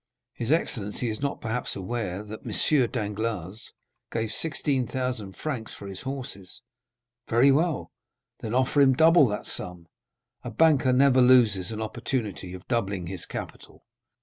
"His excellency is not, perhaps, aware that M. Danglars gave 16,000 francs for his horses?" "Very well. Then offer him double that sum; a banker never loses an opportunity of doubling his capital."